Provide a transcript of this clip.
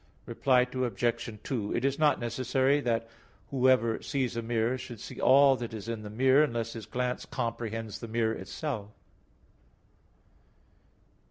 Reply Obj. 2: It is not necessary that whoever sees a mirror should see all that is in the mirror, unless his glance comprehends the mirror itself.